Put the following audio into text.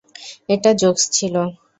এটা জোকস ছিল।